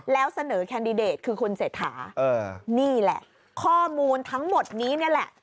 แล้วเสนอแคนดิเดตคือคุณเศรษฐานี่แหละข้อมูลทั้งหมดนี้นี่แหละ